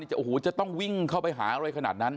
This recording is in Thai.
โอ้โหจะต้องวิ่งเข้าไปหาอะไรขนาดนั้น